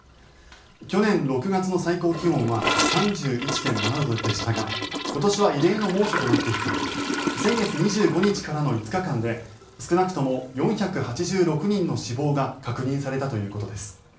去年６月の最高気温は３１．７度でしたが今年は異例の猛暑となっていて先月２５日からの５日間で少なくとも４８６人の死亡が確認されたということです。